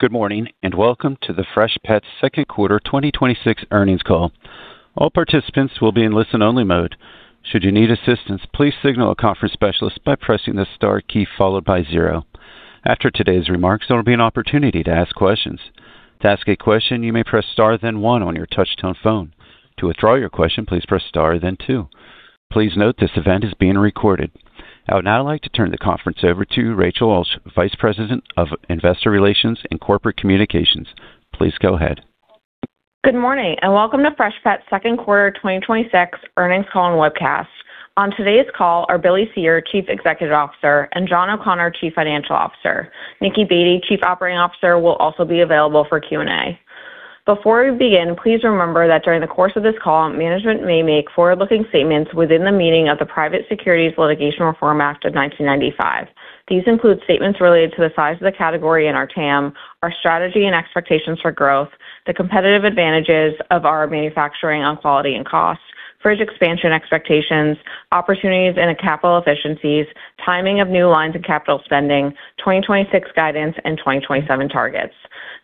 Good morning, and welcome to the Freshpet second quarter 2026 earnings call. All participants will be in listen-only mode. Should you need assistance, please signal a conference specialist by pressing the star key followed by zero. After today's remarks, there will be an opportunity to ask questions. To ask a question, you may press star then one on your touch-tone phone. To withdraw your question, please press star then two. Please note this event is being recorded. I would now like to turn the conference over to Rachel Perkins-Ulsh, Vice President of Investor Relations and Corporate Communications. Please go ahead. Good morning, and welcome to Freshpet's second quarter 2026 earnings call and webcast. On today's call are Billy Cyr, Chief Executive Officer, and John O'Connor, Chief Financial Officer. Nicki Baty, Chief Operating Officer, will also be available for Q&A. Before we begin, please remember that during the course of this call, management may make forward-looking statements within the meaning of the Private Securities Litigation Reform Act of 1995. These include statements related to the size of the category and our TAM, our strategy and expectations for growth, the competitive advantages of our manufacturing on quality and cost, fridge expansion expectations, opportunities in capital efficiencies, timing of new lines and capital spending, 2026 guidance, and 2027 targets.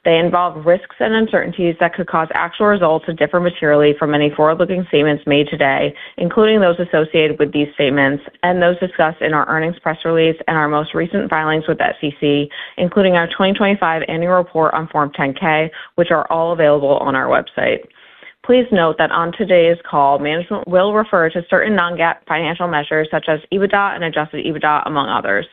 They involve risks and uncertainties that could cause actual results to differ materially from any forward-looking statements made today, including those associated with these statements and those discussed in our earnings press release and our most recent filings with the SEC, including our 2025 annual report on Form 10-K, which are all available on our website. Please note that on today's call, management will refer to certain non-GAAP financial measures such as EBITDA and adjusted EBITDA, among others.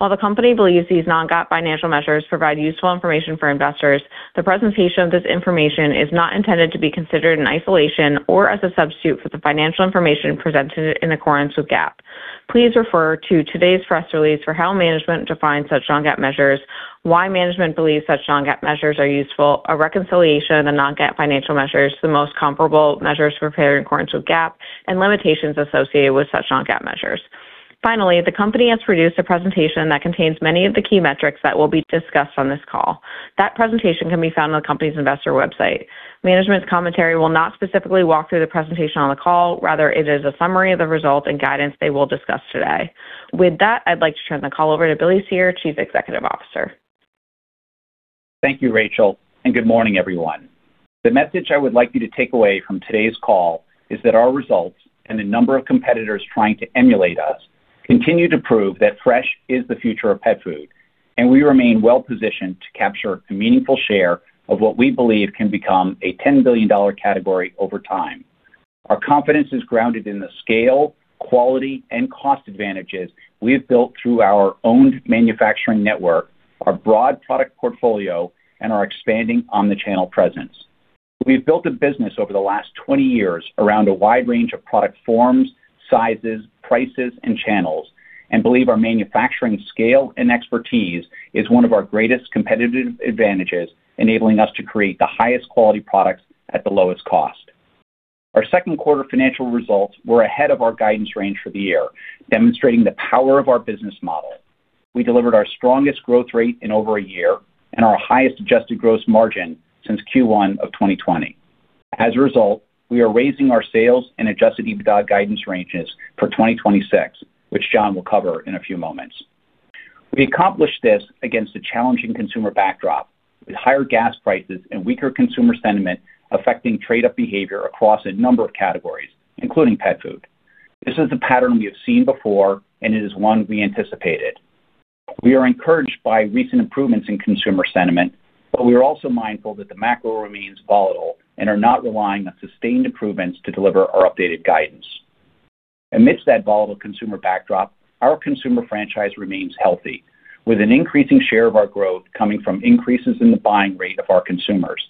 While the company believes these non-GAAP financial measures provide useful information for investors, the presentation of this information is not intended to be considered in isolation or as a substitute for the financial information presented in accordance with GAAP. Please refer to today's press release for how management defines such non-GAAP measures, why management believes such non-GAAP measures are useful, a reconciliation of the non-GAAP financial measures to the most comparable measures prepared in accordance with GAAP, and limitations associated with such non-GAAP measures. Finally, the company has produced a presentation that contains many of the key metrics that will be discussed on this call. That presentation can be found on the company's investor website. Management's commentary will not specifically walk through the presentation on the call, rather it is a summary of the results and guidance they will discuss today. With that, I'd like to turn the call over to Billy Cyr, Chief Executive Officer. Thank you, Rachel, and good morning, everyone. The message I would like you to take away from today's call is that our results and the number of competitors trying to emulate us continue to prove that fresh is the future of pet food, and we remain well-positioned to capture a meaningful share of what we believe can become a $10 billion category over time. Our confidence is grounded in the scale, quality, and cost advantages we have built through our owned manufacturing network, our broad product portfolio, and our expanding on-the-channel presence. We've built a business over the last 20 years around a wide range of product forms, sizes, prices, and channels and believe our manufacturing scale and expertise is one of our greatest competitive advantages, enabling us to create the highest quality products at the lowest cost. Our second quarter financial results were ahead of our guidance range for the year, demonstrating the power of our business model. We delivered our strongest growth rate in over a year and our highest adjusted gross margin since Q1 of 2020. As a result, we are raising our sales and Adjusted EBITDA guidance ranges for 2026, which John will cover in a few moments. We accomplished this against a challenging consumer backdrop, with higher gas prices and weaker consumer sentiment affecting trade-up behavior across a number of categories, including pet food. This is a pattern we have seen before, and it is one we anticipated. We are also mindful that the macro remains volatile and are not relying on sustained improvements to deliver our updated guidance. Amidst that volatile consumer backdrop, our consumer franchise remains healthy, with an increasing share of our growth coming from increases in the buying rate of our consumers.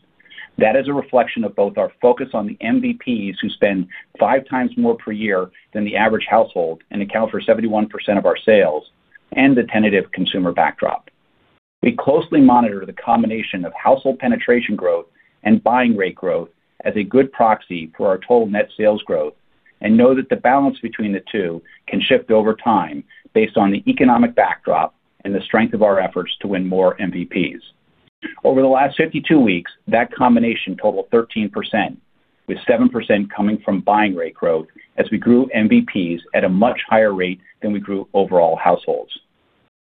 That is a reflection of both our focus on the MVPs who spend five times more per year than the average household and account for 71% of our sales and the tentative consumer backdrop. We closely monitor the combination of household penetration growth and buying rate growth as a good proxy for our total net sales growth and know that the balance between the two can shift over time based on the economic backdrop and the strength of our efforts to win more MVPs. Over the last 52 weeks, that combination totaled 13%, with 7% coming from buying rate growth as we grew MVPs at a much higher rate than we grew overall households.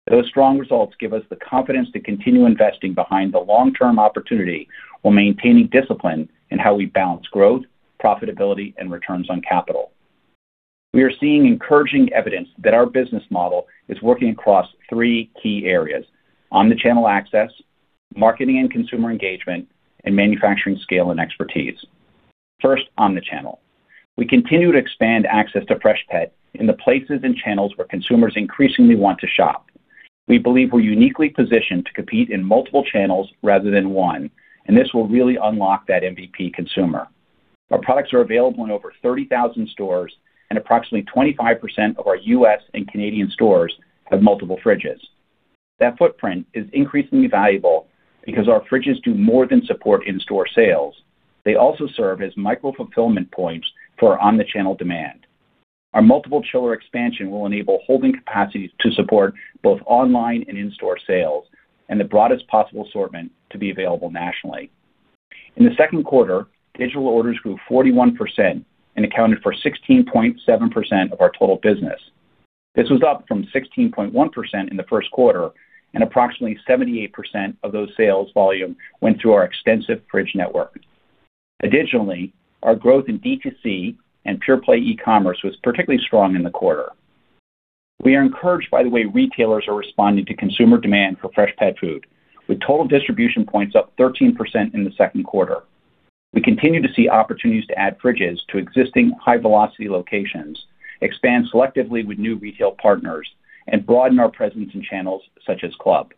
Those strong results give us the confidence to continue investing behind the long-term opportunity while maintaining discipline in how we balance growth, profitability, and returns on capital. We are seeing encouraging evidence that our business model is working across three key areas: on-the-channel access, marketing and consumer engagement, and manufacturing scale and expertise. First, on the channel. We continue to expand access to Freshpet in the places and channels where consumers increasingly want to shop. We believe we're uniquely positioned to compete in multiple channels rather than one. This will really unlock that MVP consumer. Our products are available in over 30,000 stores. Approximately 25% of our U.S. and Canadian stores have multiple fridges. That footprint is increasingly valuable because our fridges do more than support in-store sales. They also serve as micro-fulfillment points for our on-the-channel demand. Our multiple chiller expansion will enable holding capacities to support both online and in-store sales and the broadest possible assortment to be available nationally. In the second quarter, digital orders grew 41% and accounted for 16.7% of our total business. This was up from 16.1% in the first quarter, and approximately 78% of those sales volume went through our extensive fridge network. Additionally, our growth in D2C and pure-play e-commerce was particularly strong in the quarter. We are encouraged by the way retailers are responding to consumer demand for fresh pet food, with total distribution points up 13% in the second quarter. We continue to see opportunities to add fridges to existing high-velocity locations, expand selectively with new retail partners, and broaden our presence in channels such as club.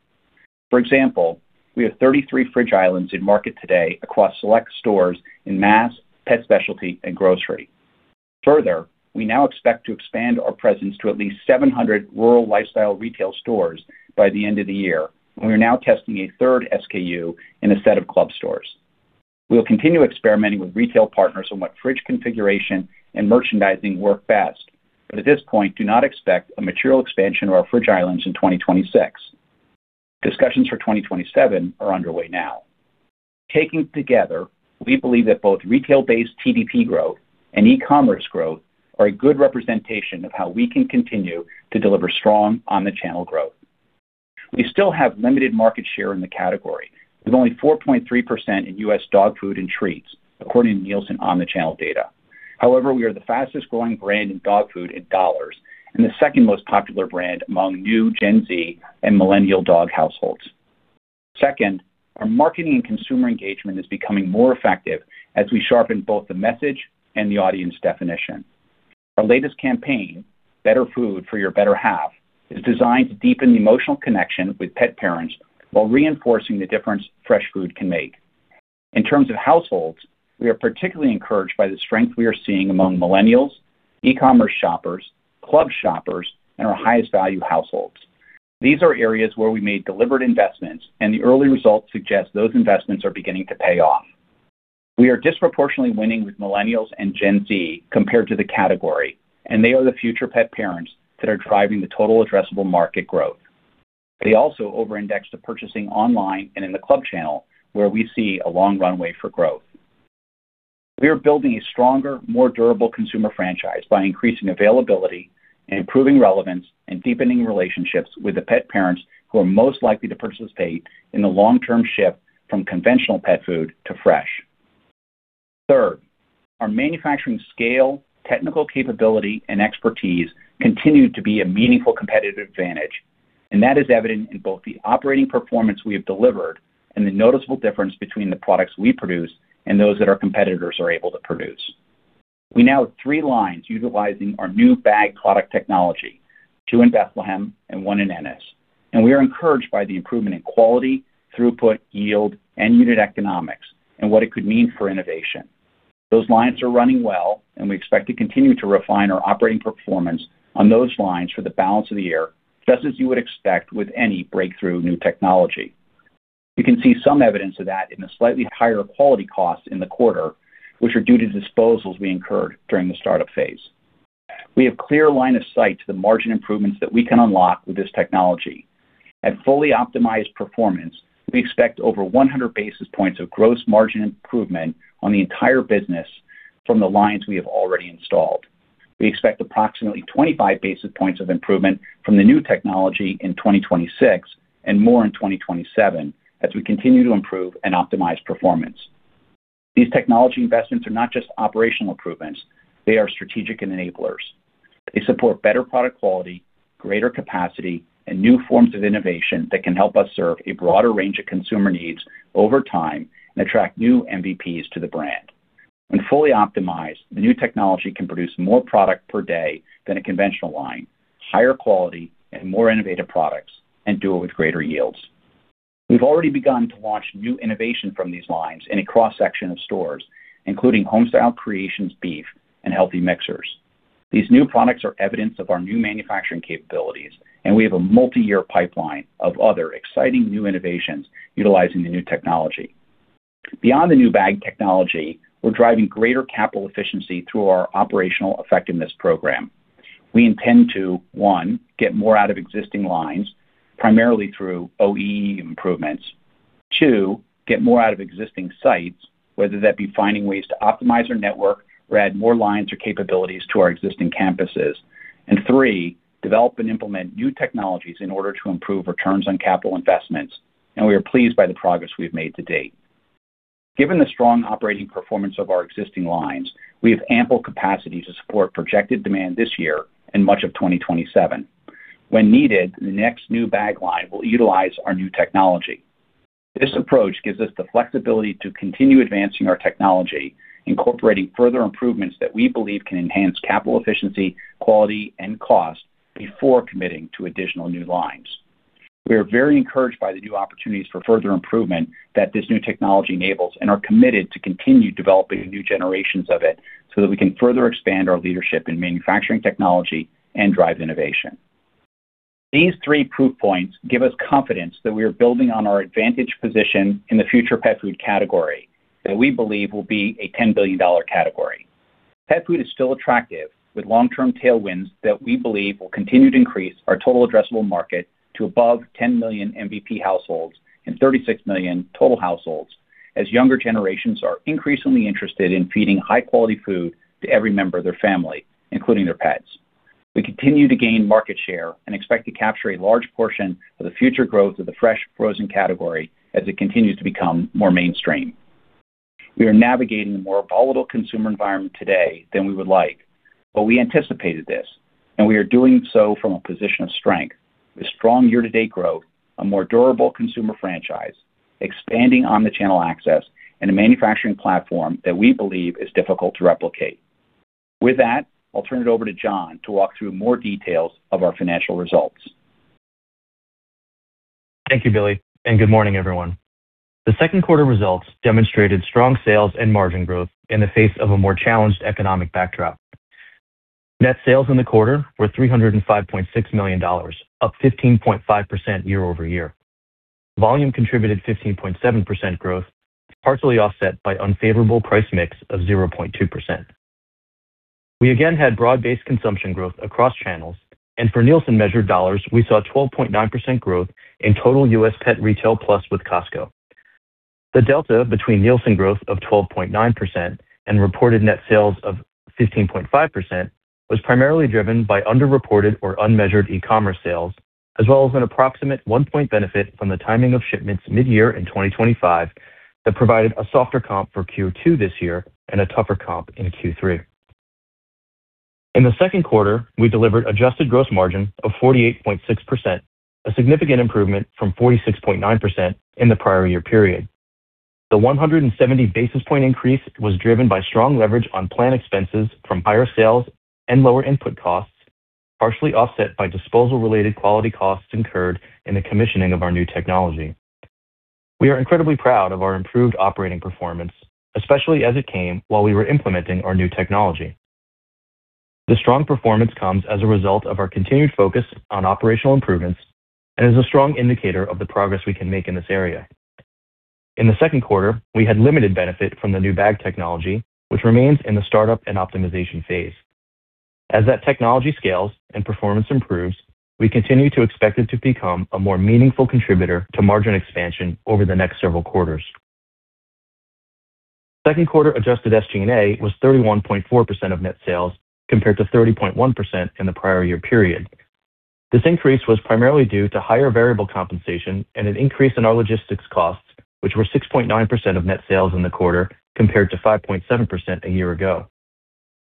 For example, we have 33 Fridge Islands in market today across select stores in mass, pet specialty, and grocery. Further, we now expect to expand our presence to at least 700 rural lifestyle retail stores by the end of the year. We are now testing a third SKU in a set of club stores. We will continue experimenting with retail partners on what fridge configuration and merchandising work best, but at this point, do not expect a material expansion of our Fridge Islands in 2026. Discussions for 2027 are underway now. Taken together, we believe that both retail-based TDP growth and e-commerce growth are a good representation of how we can continue to deliver strong on-the-channel growth. We still have limited market share in the category, with only 4.3% in U.S. dog food and treats, according to Nielsen on-the-channel data. However, we are the fastest-growing brand in dog food in dollars and the second most popular brand among new Gen Z and millennial dog households. Second, our marketing and consumer engagement is becoming more effective as we sharpen both the message and the audience definition. Our latest campaign, Better Food for Your Better Half, is designed to deepen the emotional connection with pet parents while reinforcing the difference fresh food can make. In terms of households, we are particularly encouraged by the strength we are seeing among millennials, e-commerce shoppers, club shoppers, and our highest value households. These are areas where we made deliberate investments, and the early results suggest those investments are beginning to pay off. We are disproportionately winning with millennials and Gen Z compared to the category, and they are the future pet parents that are driving the total addressable market growth. They also over-index to purchasing online and in the club channel, where we see a long runway for growth. We are building a stronger, more durable consumer franchise by increasing availability and improving relevance and deepening relationships with the pet parents who are most likely to participate in the long-term shift from conventional pet food to fresh. Third, our manufacturing scale, technical capability, and expertise continue to be a meaningful competitive advantage, and that is evident in both the operating performance we have delivered and the noticeable difference between the products we produce and those that our competitors are able to produce. We now have three lines utilizing our new bag product technology, two in Bethlehem and one in Ennis, and we are encouraged by the improvement in quality, throughput, yield, and unit economics and what it could mean for innovation. Those lines are running well, and we expect to continue to refine our operating performance on those lines for the balance of the year, just as you would expect with any breakthrough new technology. You can see some evidence of that in the slightly higher quality costs in the quarter, which are due to disposals we incurred during the startup phase. We have clear line of sight to the margin improvements that we can unlock with this technology. At fully optimized performance, we expect over 100 basis points of gross margin improvement on the entire business from the lines we have already installed. We expect approximately 25 basis points of improvement from the new technology in 2026 and more in 2027 as we continue to improve and optimize performance. These technology investments are not just operational improvements. They are strategic enablers. They support better product quality, greater capacity, and new forms of innovation that can help us serve a broader range of consumer needs over time and attract new MVPs to the brand. When fully optimized, the new technology can produce more product per day than a conventional line, higher quality and more innovative products, and do it with greater yields. We've already begun to launch new innovation from these lines in a cross-section of stores, including Homestyle Creations Beef and Healthy Mixers. These new products are evidence of our new manufacturing capabilities, and we have a multiyear pipeline of other exciting new innovations utilizing the new technology. Beyond the new bag technology, we're driving greater capital efficiency through our operational effectiveness program. We intend to, one, get more out of existing lines, primarily through OE improvements. Two, get more out of existing sites, whether that be finding ways to optimize our network or add more lines or capabilities to our existing campuses. Three, develop and implement new technologies in order to improve returns on capital investments, and we are pleased by the progress we've made to date. Given the strong operating performance of our existing lines, we have ample capacity to support projected demand this year and much of 2027. When needed, the next new bag line will utilize our new technology. This approach gives us the flexibility to continue advancing our technology, incorporating further improvements that we believe can enhance capital efficiency, quality, and cost before committing to additional new lines. We are very encouraged by the new opportunities for further improvement that this new technology enables and are committed to continue developing new generations of it so that we can further expand our leadership in manufacturing technology and drive innovation. These three proof points give us confidence that we are building on our advantage position in the future pet food category that we believe will be a $10 billion category. Pet food is still attractive with long-term tailwinds that we believe will continue to increase our total addressable market to above 10 million MVP households and 36 million total households, as younger generations are increasingly interested in feeding high-quality food to every member of their family, including their pets. We continue to gain market share and expect to capture a large portion of the future growth of the fresh frozen category as it continues to become more mainstream. We are navigating a more volatile consumer environment today than we would like, but we anticipated this, and we are doing so from a position of strength, with strong year-to-date growth, a more durable consumer franchise, expanding omni-channel access, and a manufacturing platform that we believe is difficult to replicate. With that, I'll turn it over to John to walk through more details of our financial results. Thank you, Billy, and good morning, everyone. The second quarter results demonstrated strong sales and margin growth in the face of a more challenged economic backdrop. Net sales in the quarter were $305.6 million, up 15.5% year-over-year. Volume contributed 15.7% growth, partially offset by unfavorable price mix of 0.2%. We again had broad-based consumption growth across channels, and for Nielsen-measured dollars, we saw 12.9% growth in total U.S. pet retail plus with Costco. The delta between Nielsen growth of 12.9% and reported net sales of 15.5% was primarily driven by under-reported or unmeasured e-commerce sales, as well as an approximate one point benefit from the timing of shipments mid-year in 2025 that provided a softer comp for Q2 this year and a tougher comp into Q3. In the second quarter, we delivered adjusted gross margin of 48.6%, a significant improvement from 46.9% in the prior year period. The 170 basis point increase was driven by strong leverage on plan expenses from higher sales and lower input costs, partially offset by disposal-related quality costs incurred in the commissioning of our new technology. We are incredibly proud of our improved operating performance, especially as it came while we were implementing our new technology. The strong performance comes as a result of our continued focus on operational improvements and is a strong indicator of the progress we can make in this area. In the second quarter, we had limited benefit from the new bag technology, which remains in the startup and optimization phase. As that technology scales and performance improves, we continue to expect it to become a more meaningful contributor to margin expansion over the next several quarters. Second quarter adjusted SG&A was 31.4% of net sales, compared to 30.1% in the prior year period. This increase was primarily due to higher variable compensation and an increase in our logistics costs, which were 6.9% of net sales in the quarter, compared to 5.7% a year ago.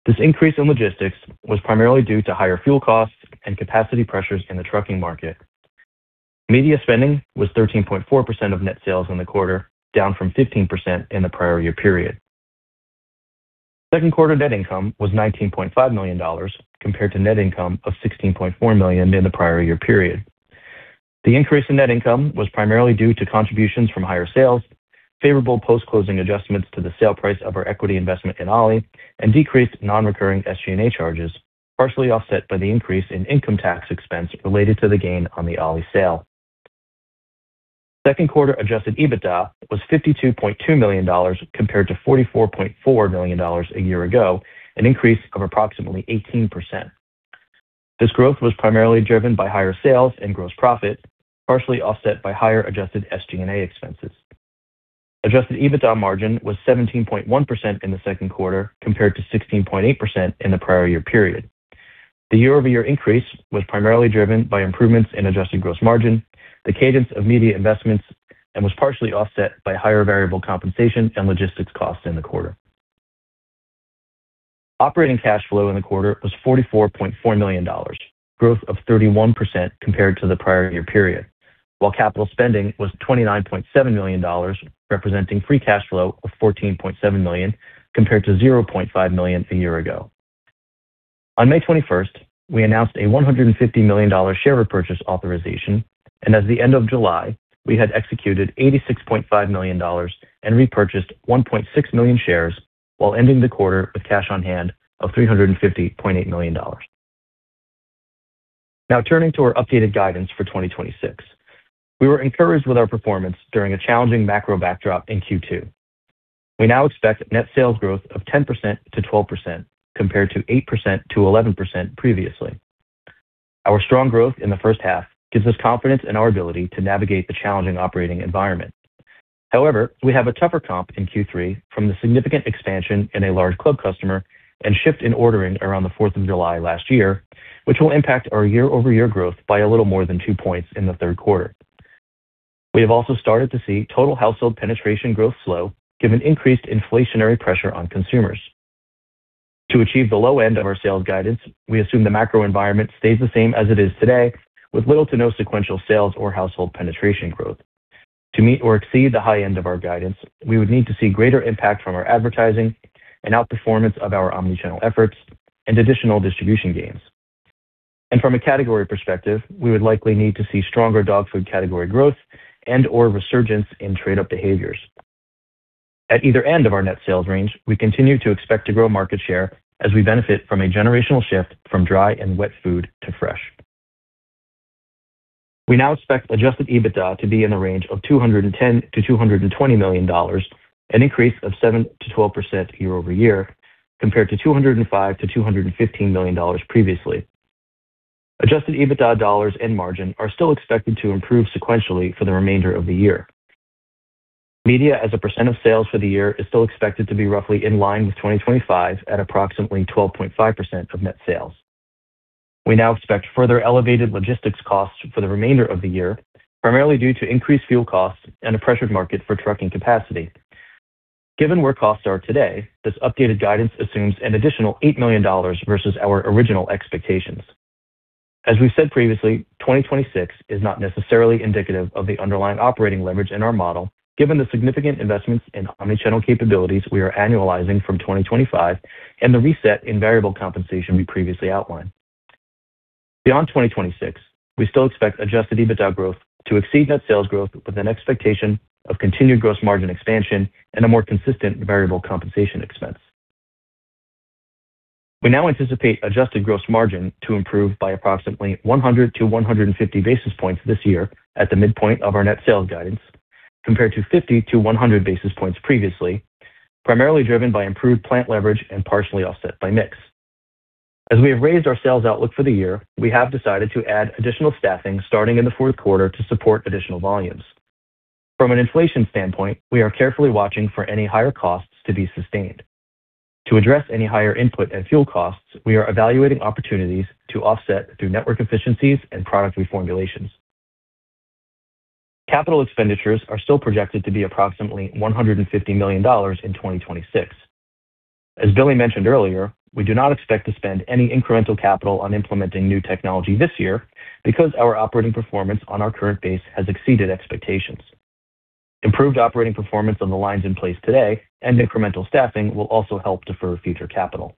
This increase in logistics was primarily due to higher fuel costs and capacity pressures in the trucking market. Media spending was 13.4% of net sales in the quarter, down from 15% in the prior year period. Second quarter net income was $19.5 million, compared to net income of $16.4 million in the prior year period. The increase in net income was primarily due to contributions from higher sales, favorable post-closing adjustments to the sale price of our equity investment in Ollie, and decreased non-recurring SG&A charges, partially offset by the increase in income tax expense related to the gain on the Ollie sale. Second quarter adjusted EBITDA was $52.2 million, compared to $44.4 million a year ago, an increase of approximately 18%. This growth was primarily driven by higher sales and gross profit, partially offset by higher adjusted SG&A expenses. Adjusted EBITDA margin was 17.1% in the second quarter, compared to 16.8% in the prior year period. The year-over-year increase was primarily driven by improvements in adjusted gross margin, the cadence of media investments, and was partially offset by higher variable compensation and logistics costs in the quarter. Operating cash flow in the quarter was $44.4 million, growth of 31% compared to the prior year period, while capital spending was $29.7 million, representing free cash flow of $14.7 million, compared to $0.5 million a year ago. On May 21st, we announced a $150 million share repurchase authorization, as of the end of July, we had executed $86.5 million and repurchased 1.6 million shares while ending the quarter with cash on hand of $350.8 million. Turning to our updated guidance for 2026. We were encouraged with our performance during a challenging macro backdrop in Q2. We now expect net sales growth of 10%-12%, compared to 8%-11% previously. Our strong growth in the first half gives us confidence in our ability to navigate the challenging operating environment. We have a tougher comp in Q3 from the significant expansion in a large club customer and shift in ordering around the 4th of July last year, which will impact our year-over-year growth by a little more than two points in the third quarter. We have also started to see total household penetration growth slow given increased inflationary pressure on consumers. To achieve the low end of our sales guidance, we assume the macro environment stays the same as it is today with little to no sequential sales or household penetration growth. To meet or exceed the high end of our guidance, we would need to see greater impact from our advertising and outperformance of our omni-channel efforts and additional distribution gains. From a category perspective, we would likely need to see stronger dog food category growth and/or resurgence in trade-up behaviors. At either end of our net sales range, we continue to expect to grow market share as we benefit from a generational shift from dry and wet food to fresh. We now expect Adjusted EBITDA to be in the range of $210 million-$220 million, an increase of 7%-12% year-over-year, compared to $205 million-$215 million previously. Adjusted EBITDA dollars and margin are still expected to improve sequentially for the remainder of the year. Media as a percent of sales for the year is still expected to be roughly in line with 2025 at approximately 12.5% of net sales. We now expect further elevated logistics costs for the remainder of the year, primarily due to increased fuel costs and a pressured market for trucking capacity. Given where costs are today, this updated guidance assumes an additional $8 million versus our original expectations. As we've said previously, 2026 is not necessarily indicative of the underlying operating leverage in our model, given the significant investments in omni-channel capabilities we are annualizing from 2025 and the reset in variable compensation we previously outlined. Beyond 2026, we still expect Adjusted EBITDA growth to exceed net sales growth with an expectation of continued gross margin expansion and a more consistent variable compensation expense. We now anticipate adjusted gross margin to improve by approximately 100-150 basis points this year at the midpoint of our net sales guidance, compared to 50-100 basis points previously, primarily driven by improved plant leverage and partially offset by mix. As we have raised our sales outlook for the year, we have decided to add additional staffing starting in the fourth quarter to support additional volumes. From an inflation standpoint, we are carefully watching for any higher costs to be sustained. To address any higher input and fuel costs, we are evaluating opportunities to offset through network efficiencies and product reformulations. Capital expenditures are still projected to be approximately $150 million in 2026. As Billy mentioned earlier, we do not expect to spend any incremental capital on implementing new technology this year because our operating performance on our current base has exceeded expectations. Improved operating performance on the lines in place today and incremental staffing will also help defer future capital.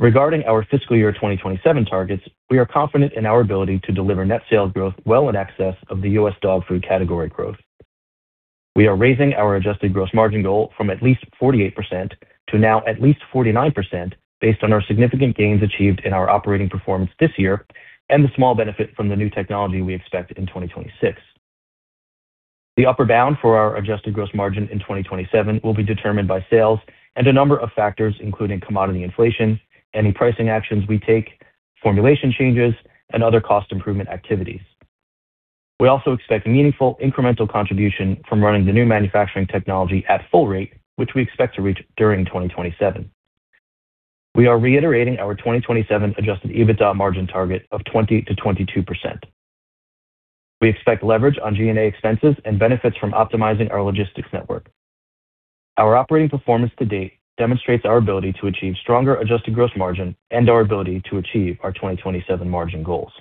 Regarding our fiscal year 2027 targets, we are confident in our ability to deliver net sales growth well in excess of the U.S. dog food category growth. We are raising our adjusted gross margin goal from at least 48% to now at least 49%, based on our significant gains achieved in our operating performance this year and the small benefit from the new technology we expect in 2026. The upper bound for our adjusted gross margin in 2027 will be determined by sales and a number of factors including commodity inflation, any pricing actions we take, formulation changes, and other cost improvement activities. We also expect meaningful incremental contribution from running the new manufacturing technology at full rate, which we expect to reach during 2027. We are reiterating our 2027 Adjusted EBITDA margin target of 20%-22%. We expect leverage on G&A expenses and benefits from optimizing our logistics network. Our operating performance to date demonstrates our ability to achieve stronger adjusted gross margin and our ability to achieve our 2027 margin goals.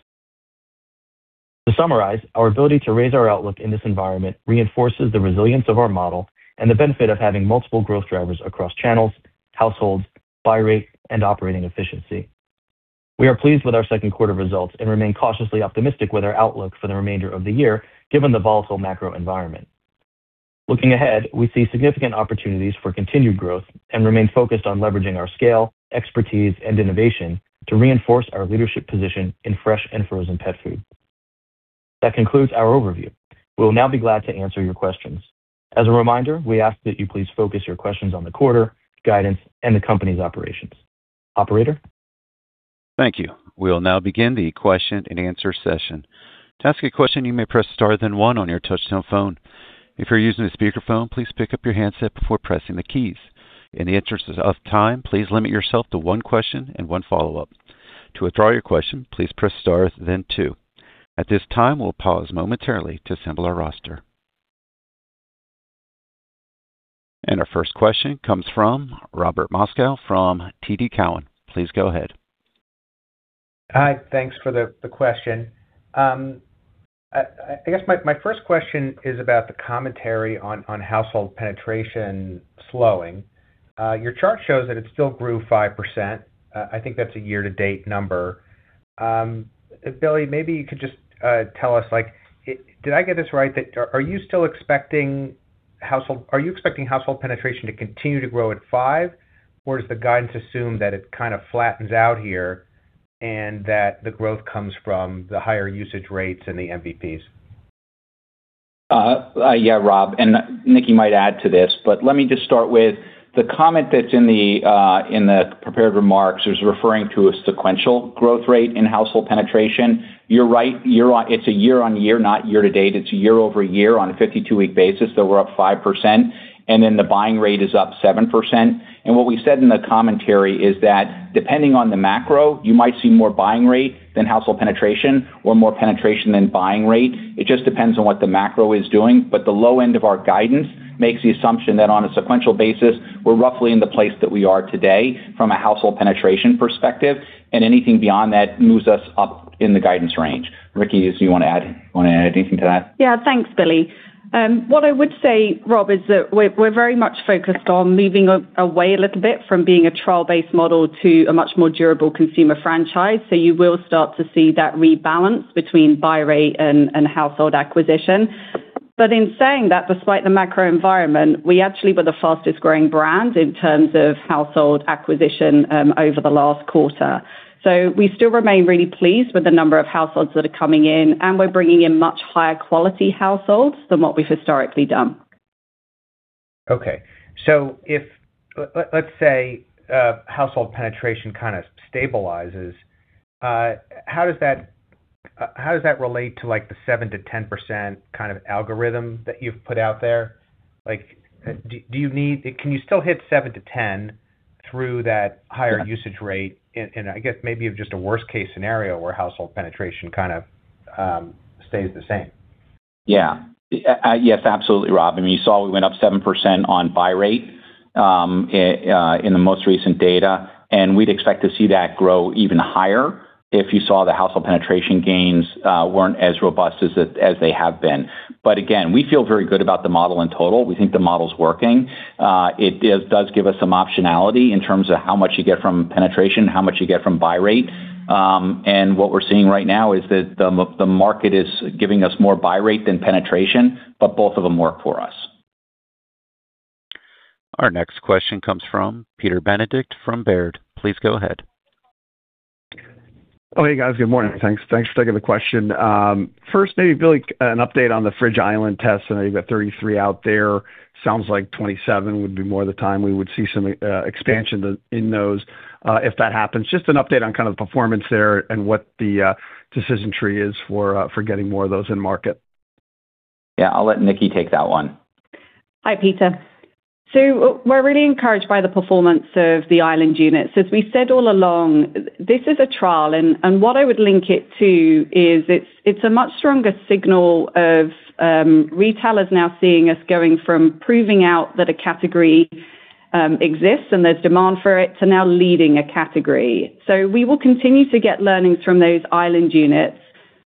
To summarize, our ability to raise our outlook in this environment reinforces the resilience of our model and the benefit of having multiple growth drivers across channels, households, buy rate, and operating efficiency. We are pleased with our second quarter results and remain cautiously optimistic with our outlook for the remainder of the year, given the volatile macro environment. Looking ahead, we see significant opportunities for continued growth and remain focused on leveraging our scale, expertise, and innovation to reinforce our leadership position in fresh and frozen pet food. That concludes our overview. We will now be glad to answer your questions. As a reminder, we ask that you please focus your questions on the quarter, guidance, and the company's operations. Operator? Thank you. We will now begin the question and answer session. To ask a question, you may press star then one on your touchtone phone. If you're using a speakerphone, please pick up your handset before pressing the keys. In the interest of time, please limit yourself to one question and one follow-up. To withdraw your question, please press star then two. At this time, we will pause momentarily to assemble our roster. Our first question comes from Robert Moskow from TD Cowen. Please go ahead. Hi. Thanks for the question. I guess my first question is about the commentary on household penetration slowing. Your chart shows that it still grew 5%. I think that's a year-to-date number. Billy, maybe you could just tell us, did I get this right? Are you expecting household penetration to continue to grow at 5%, or does the guidance assume that it kind of flattens out here and that the growth comes from the higher usage rates and the MVPs? Yeah, Rob, Nicki might add to this, let me just start with the comment that's in the prepared remarks was referring to a sequential growth rate in household penetration. You're right, it's a year-on-year, not year-to-date. It's a year-over-year on a 52-week basis that we're up 5%, then the buying rate is up 7%. What we said in the commentary is that depending on the macro, you might see more buying rate than household penetration or more penetration than buying rate. It just depends on what the macro is doing. The low end of our guidance makes the assumption that on a sequential basis, we're roughly in the place that we are today from a household penetration perspective, and anything beyond that moves us up in the guidance range. Nicki, do you want to add anything to that? Yeah. Thanks, Billy. What I would say, Rob, is that we're very much focused on moving away a little bit from being a trial-based model to a much more durable consumer franchise. You will start to see that rebalance between buy rate and household acquisition. In saying that, despite the macro environment, we actually were the fastest growing brand in terms of household acquisition over the last quarter. We still remain really pleased with the number of households that are coming in, and we're bringing in much higher quality households than what we've historically done. Let's say household penetration kind of stabilizes. How does that relate to the 7%-10% kind of algorithm that you've put out there? Can you still hit 7%-10% through that higher usage rate? I guess maybe of just a worst case scenario where household penetration kind of stays the same. Yeah. Yes, absolutely, Rob. You saw we went up 7% on buy rate in the most recent data. We'd expect to see that grow even higher if you saw the household penetration gains weren't as robust as they have been. Again, we feel very good about the model in total. We think the model's working. It does give us some optionality in terms of how much you get from penetration, how much you get from buy rate. What we're seeing right now is that the market is giving us more buy rate than penetration. Both of them work for us. Our next question comes from Peter Benedict from Baird. Please go ahead. Hey, guys. Good morning. Thanks for taking the question. First maybe, Billy, an update on the Fridge Island test. I know you've got 33 out there. Sounds like 27 would be more the time we would see some expansion in those if that happens. Just an update on kind of the performance there and what the decision tree is for getting more of those in market. Yeah, I'll let Nicki take that one. Hi, Peter. We're really encouraged by the performance of the Island units. As we said all along, this is a trial, and what I would link it to is it's a much stronger signal of retailers now seeing us going from proving out that a category exists and there's demand for it, to now leading a category. We will continue to get learnings from those Island units,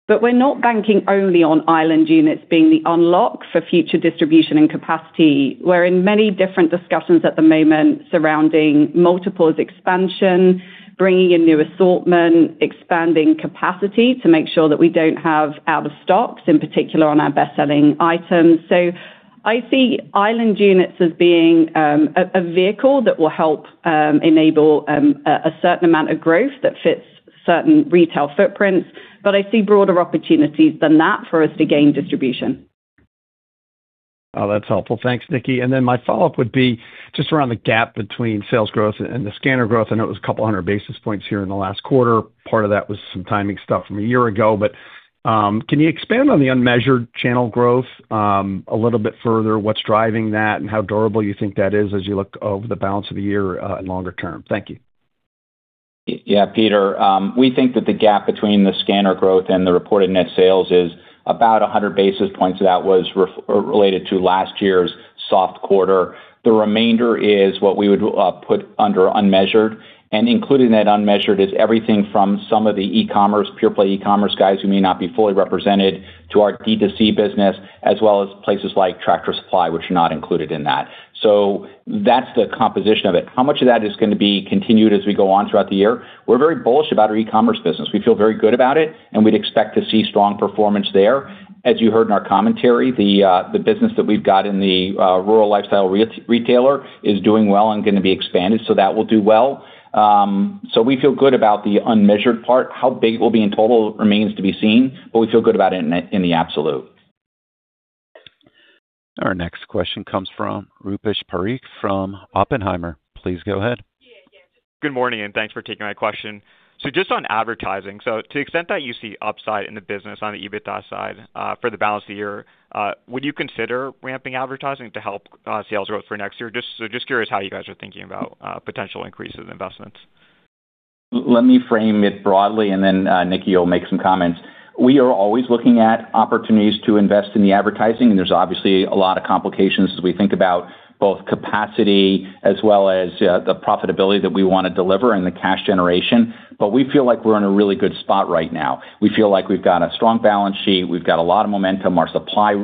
but we're not banking only on Island units being the unlock for future distribution and capacity. We're in many different discussions at the moment surrounding multiples expansion, bringing in new assortment, expanding capacity to make sure that we don't have out of stocks, in particular on our best-selling items. I see Island units as being a vehicle that will help enable a certain amount of growth that fits certain retail footprints. I see broader opportunities than that for us to gain distribution. Oh, that's helpful. Thanks, Nicki. My follow-up would be just around the gap between sales growth and the scanner growth. I know it was 200 basis points here in the last quarter. Part of that was some timing stuff from a year ago. Can you expand on the unmeasured channel growth a little bit further? What's driving that and how durable you think that is as you look over the balance of the year and longer term? Thank you. Peter. We think that the gap between the scanner growth and the reported net sales is about 100 basis points. That was related to last year's soft quarter. The remainder is what we would put under unmeasured, and included in that unmeasured is everything from some of the e-commerce, pure play e-commerce guys who may not be fully represented to our D2C business, as well as places like Tractor Supply, which are not included in that. That's the composition of it. How much of that is going to be continued as we go on throughout the year? We're very bullish about our e-commerce business. We feel very good about it, and we'd expect to see strong performance there. As you heard in our commentary, the business that we've got in the rural lifestyle retailer is doing well and going to be expanded. That will do well. We feel good about the unmeasured part. How big it will be in total remains to be seen, but we feel good about it in the absolute. Our next question comes from Rupesh Parikh from Oppenheimer. Please go ahead. Good morning, and thanks for taking my question. Just on advertising, so to the extent that you see upside in the business on the EBITDA side for the balance of the year, would you consider ramping advertising to help sales growth for next year? Just curious how you guys are thinking about potential increases in investments. Let me frame it broadly. Then Nicki will make some comments. We are always looking at opportunities to invest in the advertising, and there is obviously a lot of complications as we think about both capacity as well as the profitability that we want to deliver and the cash generation. We feel like we are in a really good spot right now. We have got a strong balance sheet. We have got a lot of momentum. Our supply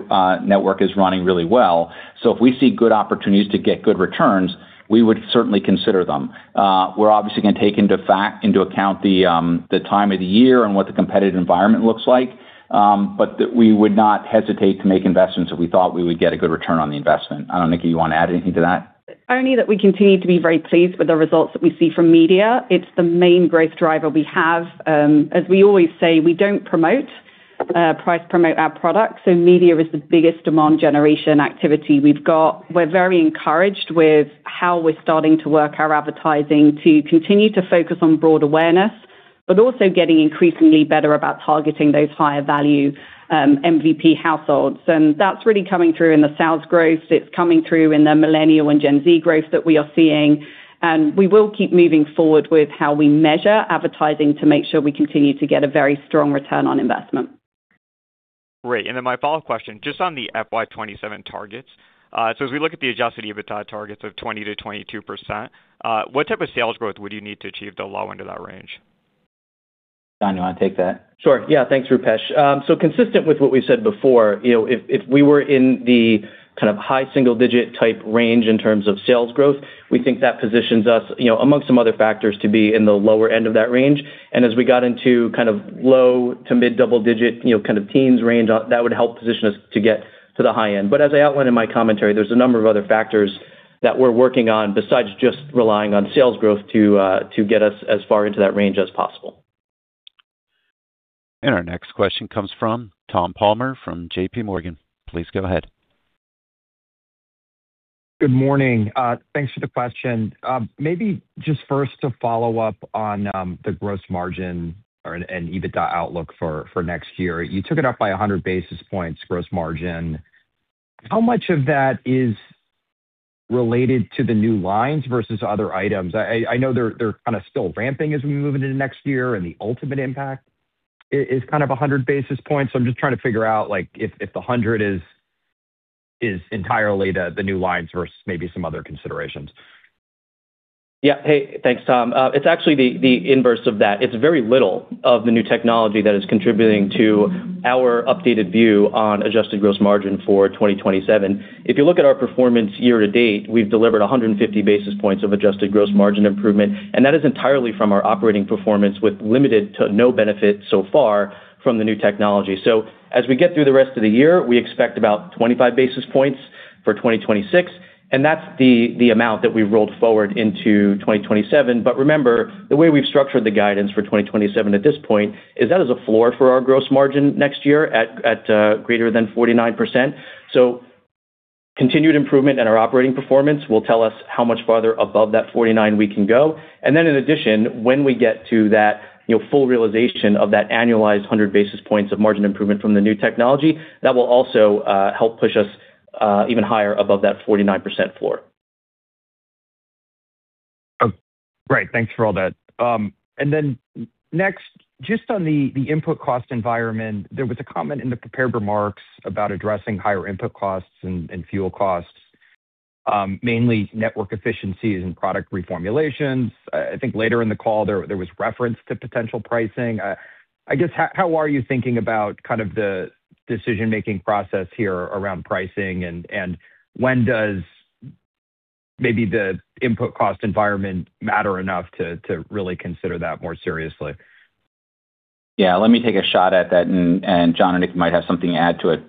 network is running really well. If we see good opportunities to get good returns, we would certainly consider them. We are obviously going to take into account the time of the year and what the competitive environment looks like. We would not hesitate to make investments if we thought we would get a good return on the investment. I do not know, Nicki, you want to add anything to that? Only that we continue to be very pleased with the results that we see from media. It is the main growth driver we have. As we always say, we do not price promote our products. Media is the biggest demand generation activity we have got. We are very encouraged with how we are starting to work our advertising to continue to focus on broad awareness, but also getting increasingly better about targeting those higher value MVP households. That is really coming through in the sales growth. It is coming through in the millennial and Gen Z growth that we are seeing. We will keep moving forward with how we measure advertising to make sure we continue to get a very strong return on investment. Great. Then my follow-up question, just on the FY 2027 targets. As we look at the Adjusted EBITDA targets of 20%-22%, what type of sales growth would you need to achieve to allow into that range? John, you want to take that? Sure. Thanks, Rupesh. Consistent with what we said before, if we were in the kind of high single-digit type range in terms of sales growth, we think that positions us, amongst some other factors, to be in the lower end of that range. As we got into kind of low to mid double-digit, kind of teens range, that would help position us to get to the high end. As I outlined in my commentary, there is a number of other factors that we're working on besides just relying on sales growth to get us as far into that range as possible. Our next question comes from Thomas Palmer from JPMorgan. Please go ahead. Good morning. Thanks for the question. Maybe just first to follow up on the gross margin and EBITDA outlook for next year. You took it up by 100 basis points gross margin. How much of that is related to the new lines versus other items? I know they're kind of still ramping as we move into next year, and the ultimate impact is kind of 100 basis points. I'm just trying to figure out if the 100 is entirely the new lines versus maybe some other considerations. Yeah. Hey, thanks, Tom. It's actually the inverse of that. It's very little of the new technology that is contributing to our updated view on adjusted gross margin for 2027. If you look at our performance year-to-date, we've delivered 150 basis points of adjusted gross margin improvement, and that is entirely from our operating performance with limited to no benefit so far from the new technology. As we get through the rest of the year, we expect about 25 basis points for 2026, and that's the amount that we rolled forward into 2027. Remember, the way we've structured the guidance for 2027 at this point is that is a floor for our gross margin next year at greater than 49%. Continued improvement in our operating performance will tell us how much farther above that 49 we can go. In addition, when we get to that full realization of that annualized 100 basis points of margin improvement from the new technology, that will also help push us even higher above that 49% floor. Great. Thanks for all that. Next, just on the input cost environment, there was a comment in the prepared remarks about addressing higher input costs and fuel costs, mainly network efficiencies and product reformulations. I think later in the call there was reference to potential pricing. I guess, how are you thinking about kind of the decision-making process here around pricing and when does maybe the input cost environment matter enough to really consider that more seriously? Yeah, let me take a shot at that, and John and Nicki might have something to add to it.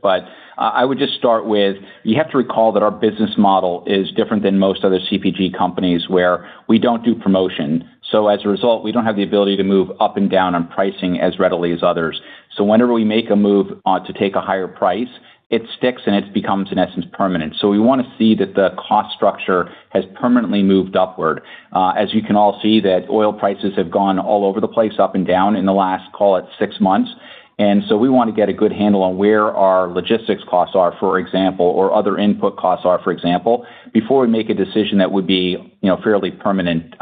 I would just start with, you have to recall that our business model is different than most other CPG companies where we don't do promotion. As a result, we don't have the ability to move up and down on pricing as readily as others. Whenever we make a move to take a higher price, it sticks and it becomes, in essence, permanent. We want to see that the cost structure has permanently moved upward. As you can all see that oil prices have gone all over the place, up and down in the last, call it six months. We want to get a good handle on where our logistics costs are, for example, or other input costs are, for example, before we make a decision that would be fairly permanent.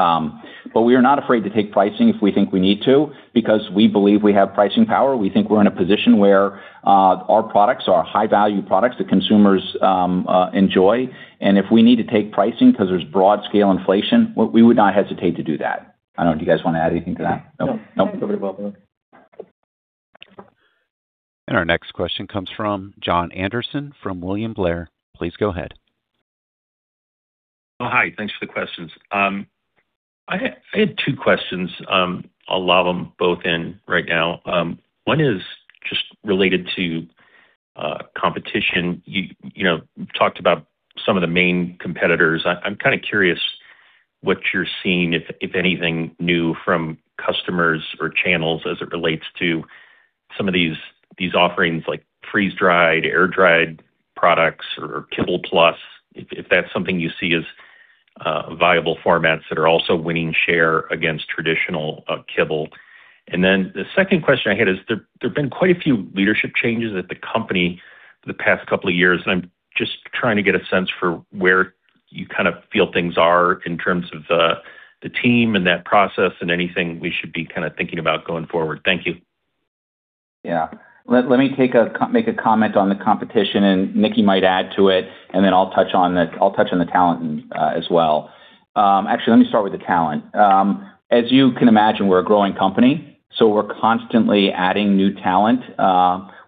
We are not afraid to take pricing if we think we need to, because we believe we have pricing power. We think we're in a position where our products are high-value products that consumers enjoy. If we need to take pricing because there's broad scale inflation, we would not hesitate to do that. I don't know, do you guys want to add anything to that? No. Covered it well, though. Our next question comes from Jon Andersen from William Blair. Please go ahead. Hi. Thanks for the questions. I had two questions. I'll lob them both in right now. One is just related to competition. You talked about some of the main competitors. I'm kind of curious what you're seeing, if anything, new from customers or channels as it relates to some of these offerings like freeze-dried, air-dried products, or kibble plus, if that's something you see as viable formats that are also winning share against traditional kibble. The second question I had is there have been quite a few leadership changes at the company the past couple of years, and I'm just trying to get a sense for where you kind of feel things are in terms of the team and that process and anything we should be kind of thinking about going forward. Thank you. Let me make a comment on the competition and Nicki might add to it, and then I'll touch on the talent as well. Actually, let me start with the talent. As you can imagine, we're a growing company, so we're constantly adding new talent.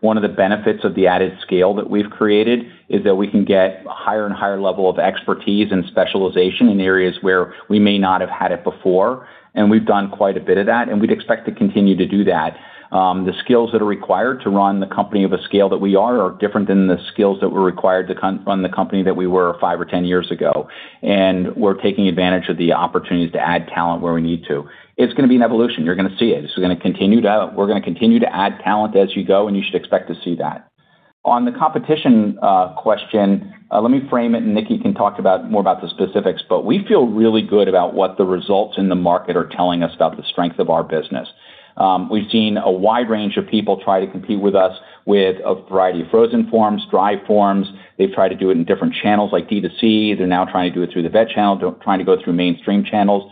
One of the benefits of the added scale that we've created is that we can get higher and higher level of expertise and specialization in areas where we may not have had it before. We've done quite a bit of that, and we'd expect to continue to do that. The skills that are required to run the company of a scale that we are different than the skills that were required to run the company that we were five or 10 years ago. We're taking advantage of the opportunities to add talent where we need to. It's going to be an evolution. You're going to see it. We're going to continue to add talent as you go, and you should expect to see that. On the competition question, let me frame it and Nicki can talk more about the specifics, but we feel really good about what the results in the market are telling us about the strength of our business. We've seen a wide range of people try to compete with us with a variety of frozen forms, dry forms. They've tried to do it in different channels like D2C. They're now trying to do it through the vet channel, trying to go through mainstream channels.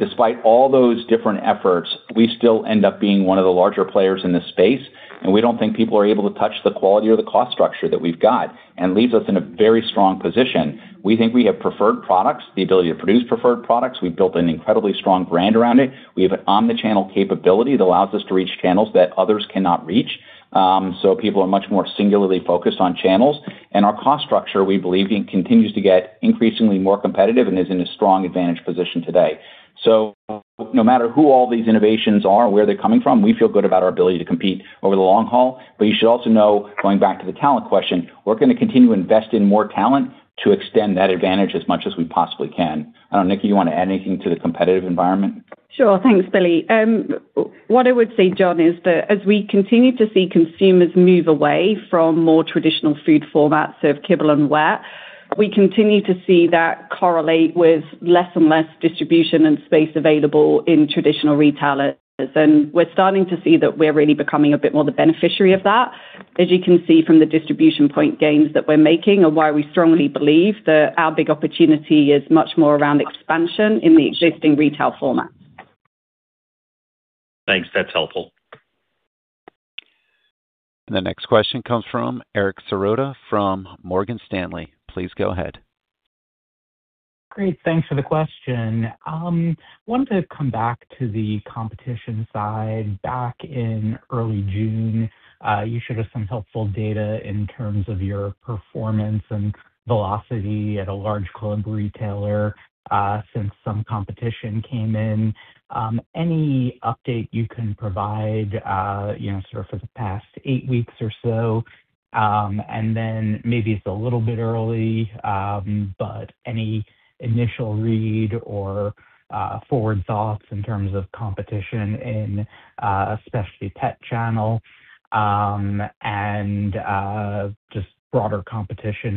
Despite all those different efforts, we still end up being one of the larger players in this space, and we don't think people are able to touch the quality or the cost structure that we've got and leaves us in a very strong position. We think we have preferred products, the ability to produce preferred products. We've built an incredibly strong brand around it. We have an omni-channel capability that allows us to reach channels that others cannot reach. People are much more singularly focused on channels. Our cost structure, we believe, continues to get increasingly more competitive and is in a strong advantage position today. No matter who all these innovations are or where they're coming from, we feel good about our ability to compete over the long haul. You should also know, going back to the talent question, we're going to continue to invest in more talent to extend that advantage as much as we possibly can. I don't know, Nicki, you want to add anything to the competitive environment? Sure. Thanks, Billy. What I would say, Jon, is that as we continue to see consumers move away from more traditional food formats of kibble and wet, we continue to see that correlate with less and less distribution and space available in traditional retailers. We're starting to see that we're really becoming a bit more the beneficiary of that, as you can see from the distribution point gains that we're making and why we strongly believe that our big opportunity is much more around expansion in the existing retail formats. Thanks. That's helpful. The next question comes from Eric Serotta from Morgan Stanley. Please go ahead. Great. Thanks for the question. Wanted to come back to the competition side. Back in early June, you showed us some helpful data in terms of your performance and velocity at a large club retailer since some competition came in. Any update you can provide for the past eight weeks or so? Maybe it's a little bit early, but any initial read or forward thoughts in terms of competition in especially pet channel, and just broader competition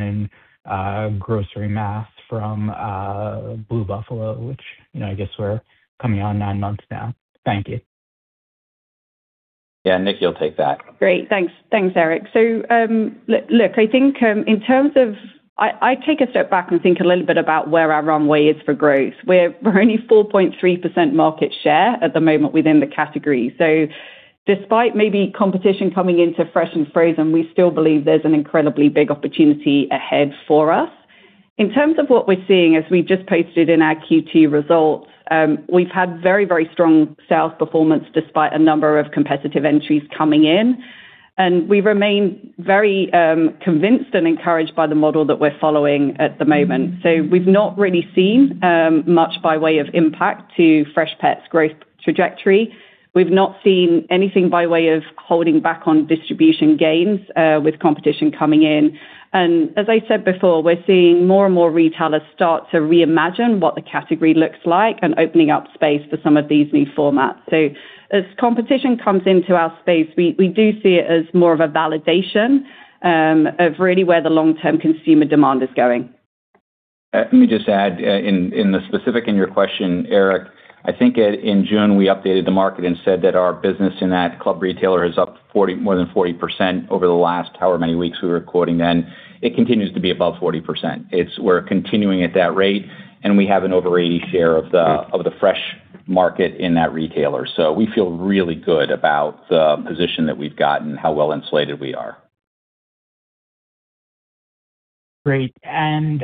in grocery mass from Blue Buffalo, which I guess we're coming on nine months now. Thank you. Yeah. Nicki, you'll take that. Great. Thanks, Eric. Look, I take a step back and think a little bit about where our runway is for growth. We're only 4.3% market share at the moment within the category. Despite maybe competition coming into fresh and frozen, we still believe there's an incredibly big opportunity ahead for us. In terms of what we're seeing, as we just posted in our Q2 results, we've had very strong sales performance despite a number of competitive entries coming in. We remain very convinced and encouraged by the model that we're following at the moment. We've not really seen much by way of impact to Freshpet's growth trajectory. We've not seen anything by way of holding back on distribution gains with competition coming in. As I said before, we're seeing more and more retailers start to reimagine what the category looks like and opening up space for some of these new formats. As competition comes into our space, we do see it as more of a validation of really where the long-term consumer demand is going. Let me just add in the specific in your question, Eric, I think in June we updated the market and said that our business in that club retailer is up more than 40% over the last however many weeks we were quoting then. It continues to be above 40%. We're continuing at that rate, and we have an over 80% share of the fresh market in that retailer. We feel really good about the position that we've got and how well insulated we are. Great. In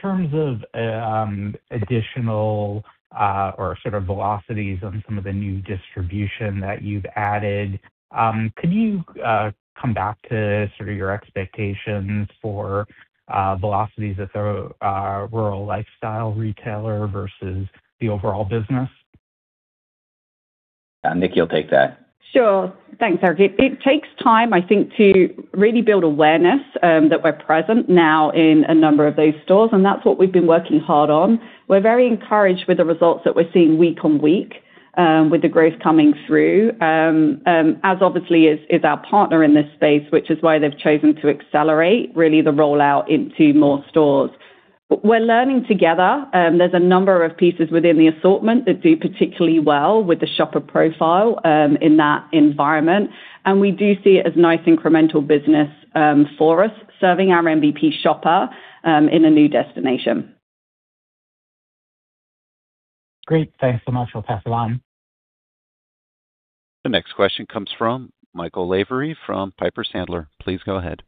terms of additional or sort of velocities on some of the new distribution that you've added, could you come back to sort of your expectations for velocities at the Rural Lifestyle retailer versus the overall business? Nicki, you'll take that. Sure. Thanks, Eric. It takes time, I think, to really build awareness that we're present now in a number of those stores, and that's what we've been working hard on. We're very encouraged with the results that we're seeing week on week with the growth coming through, as obviously is our partner in this space, which is why they've chosen to accelerate really the rollout into more stores. We're learning together. There's a number of pieces within the assortment that do particularly well with the shopper profile in that environment, and we do see it as nice incremental business for us, serving our MVP shopper in a new destination. Great. Thanks so much. I'll pass it on. The next question comes from Michael Lavery from Piper Sandler. Please go ahead.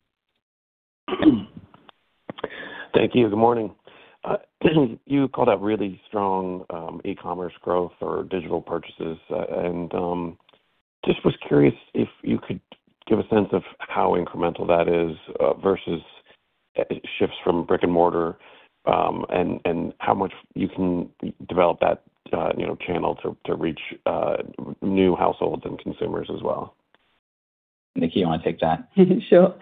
Thank you. Good morning. You called out really strong e-commerce growth for digital purchases, and just was curious if you could give a sense of how incremental that is versus shifts from brick and mortar, and how much you can develop that channel to reach new households and consumers as well. Nicki, you want to take that? Sure.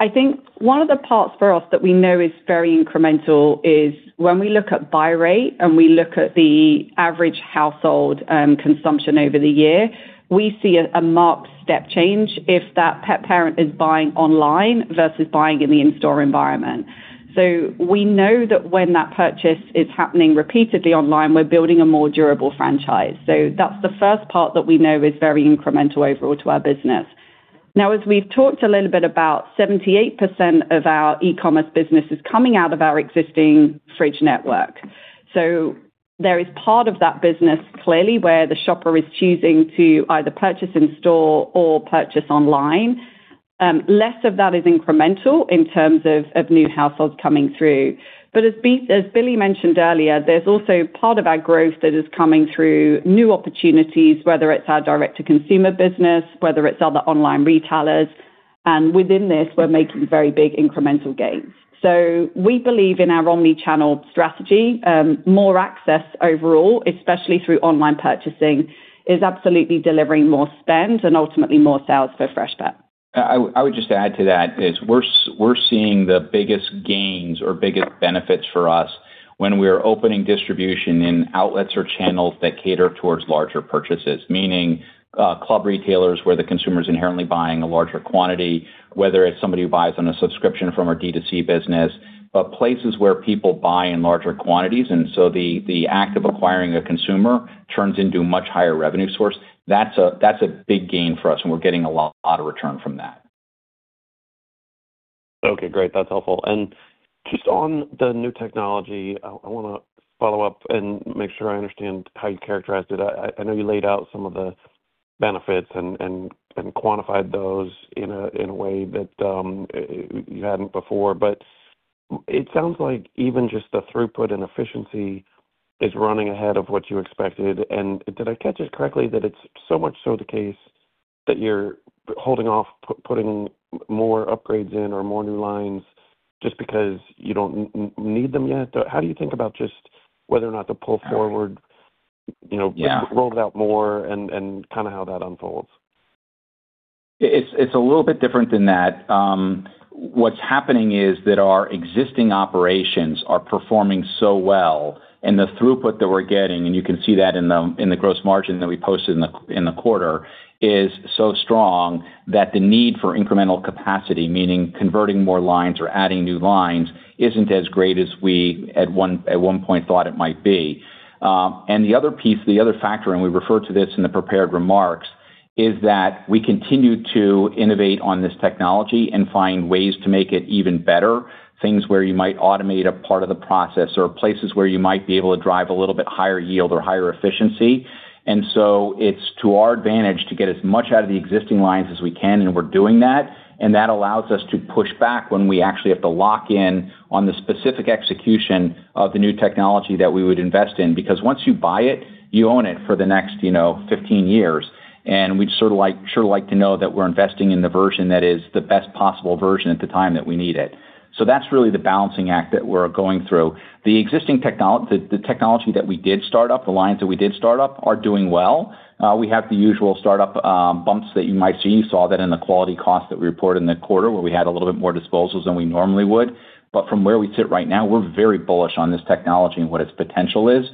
I think one of the parts for us that we know is very incremental is when we look at buy rate and we look at the average household consumption over the year, we see a marked step change if that pet parent is buying online versus buying in the in-store environment. We know that when that purchase is happening repeatedly online, we're building a more durable franchise. That's the first part that we know is very incremental overall to our business. Now, as we've talked a little bit about, 78% of our e-commerce business is coming out of our existing fridge network. There is part of that business clearly where the shopper is choosing to either purchase in store or purchase online. Less of that is incremental in terms of new households coming through. As Billy mentioned earlier, there's also part of our growth that is coming through new opportunities, whether it's our direct-to-consumer business, whether it's other online retailers. Within this, we're making very big incremental gains. We believe in our omni-channel strategy. More access overall, especially through online purchasing, is absolutely delivering more spend and ultimately more sales for Freshpet. I would just add to that is we're seeing the biggest gains or biggest benefits for us when we're opening distribution in outlets or channels that cater towards larger purchases, meaning club retailers where the consumer's inherently buying a larger quantity, whether it's somebody who buys on a subscription from our D2C business, places where people buy in larger quantities, the act of acquiring a consumer turns into a much higher revenue source. That's a big gain for us, and we're getting a lot of return from that. Okay, great. That's helpful. Just on the new technology, I want to follow up and make sure I understand how you characterized it. I know you laid out some of the benefits and quantified those in a way that you hadn't before, it sounds like even just the throughput and efficiency is running ahead of what you expected. Did I catch this correctly that it's so much so the case that you're holding off putting more upgrades in or more new lines just because you don't need them yet? How do you think about just whether or not to pull forward- Yeah roll it out more and kind of how that unfolds? It's a little bit different than that. What's happening is that our existing operations are performing so well and the throughput that we're getting, and you can see that in the gross margin that we posted in the quarter, is so strong that the need for incremental capacity, meaning converting more lines or adding new lines, isn't as great as we at one point thought it might be. The other piece, the other factor, and we refer to this in the prepared remarks, is that we continue to innovate on this technology and find ways to make it even better. Things where you might automate a part of the process or places where you might be able to drive a little bit higher yield or higher efficiency. It's to our advantage to get as much out of the existing lines as we can, we're doing that, and that allows us to push back when we actually have to lock in on the specific execution of the new technology that we would invest in. Once you buy it, you own it for the next 15 years. We'd sure like to know that we're investing in the version that is the best possible version at the time that we need it. That's really the balancing act that we're going through. The technology that we did start up, the lines that we did start up are doing well. We have the usual startup bumps that you might see. You saw that in the quality cost that we reported in the quarter where we had a little bit more disposals than we normally would. From where we sit right now, we're very bullish on this technology and what its potential is.